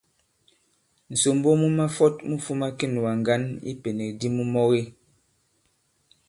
Ŋ̀sòmbo mu mafɔt mu fūma kinùgà ŋgǎn i ipènèk di mu mɔge.